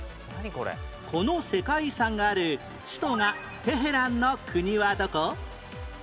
この世界遺産がある首都がテヘランの国はどこ？